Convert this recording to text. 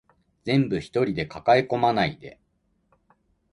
全部一人で抱え込まないで